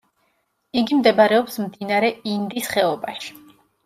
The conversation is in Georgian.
იგი მდებარეობს მდინარე ინდის ხეობაში.